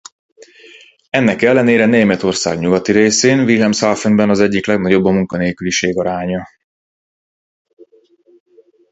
Ennek ellenére Németország nyugati részén Wilhelmshavenben az egyik legnagyobb a munkanélküliség aránya.